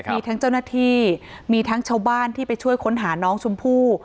มีทั้งเจ้าหน้าที่มีทั้งชาวบ้านที่ไปช่วยค้นหาน้องชมพู่